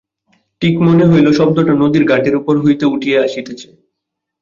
ঠিক মনে হইল, শব্দটা নদীর ঘাটের উপর হইতে উঠিয়া আসিতেছে।